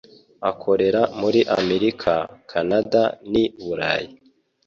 akorera muri Amerika, Canada n'i Burayi.